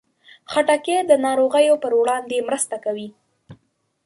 خټکی د ناروغیو پر وړاندې مرسته کوي.